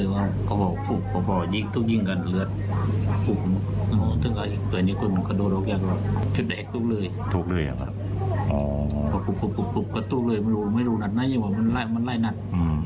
อำนาจไม่รู้มันเล่นนั้นเรามันไหลงนั้น